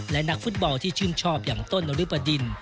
และนักฟุตบอลที่ชื่นชอบอย่างต้นนริปดิน